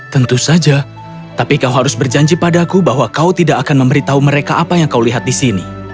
tentu saja tapi kau harus berjanji padaku bahwa kau tidak akan memberitahu mereka apa yang kau lihat di sini